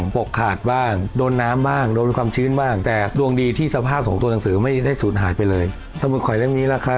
ฟันมึงแตก๒สี้เลยวะ